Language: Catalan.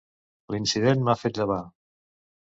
L'incident m'ha fet llevar.